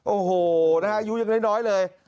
โอ้โหอายุยังน้อยเลย